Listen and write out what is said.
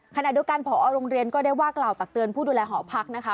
ขณะเดียวกันพอโรงเรียนก็ได้ว่ากล่าวตักเตือนผู้ดูแลหอพักนะคะ